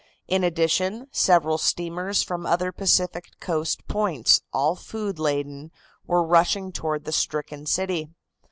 In addition, several steamers from other Pacific coast points, all food laden, were rushing toward the stricken city.